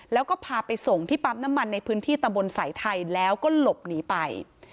แล้วก็พาไปส่งที่ปั๊มน้ำมันในพื้นที่ตำบลสายไทยแล้วก็หลบหนีไป